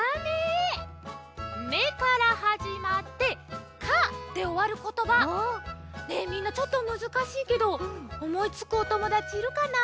「め」からはじまって「か」でおわることばねえみんなちょっとむずかしいけどおもいつくおともだちいるかな？